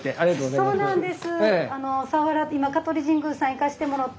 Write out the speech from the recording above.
そうなんです。